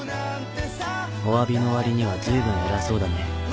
おわびの割には随分偉そうだね。